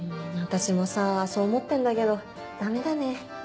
ん私もさそう思ってんだけどダメだね。